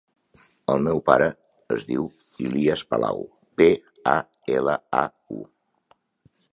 El meu pare es diu Ilyas Palau: pe, a, ela, a, u.